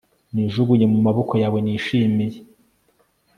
nijugunye mu maboko yawe, nishimiye